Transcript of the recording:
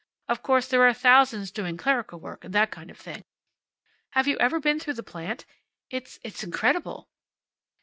Of course there are thousands doing clerical work, and that kind of thing. Have you ever been through the plant? It's it's incredible."